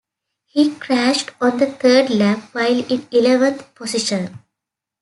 He crashed on the third lap, while in eleventh position.